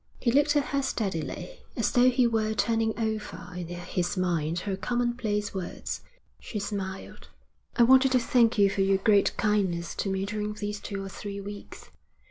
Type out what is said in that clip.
He looked at her steadily, as though he were turning over in his mind her commonplace words. She smiled. 'I wanted to thank you for your great kindness to me during these two or three weeks.